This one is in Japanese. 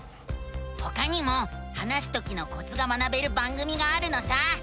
ほかにも話すときのコツが学べる番組があるのさ！